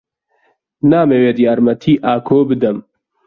نامەوێت یارمەتیی ئاکۆ بدەم.